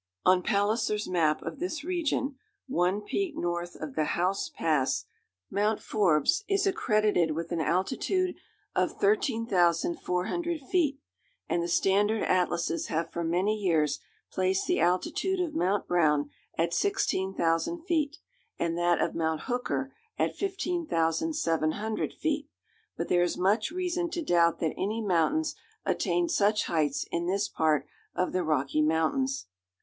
On Palliser's map of this region, one peak north of the Howse Pass, Mount Forbes, is accredited with an altitude of 13,400 feet, and the standard atlases have for many years placed the altitude of Mount Brown at 16,000 feet, and that of Mount Hooker at 15,700 feet, but there is much reason to doubt that any mountains attain such heights in this part of the Rocky Mountains.